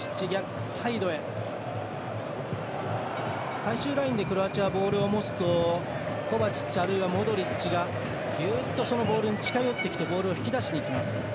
最終ラインでクロアチアがボールを持つとコバチッチあるいはモドリッチがぐっとボールに近づいてきて引き出しにきます。